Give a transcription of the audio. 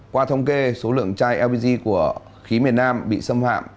qua thông kê số lượng chai lpg của khí miền nam bị xâm hạm